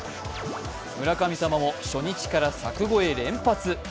村神様も初日から柵越え連発。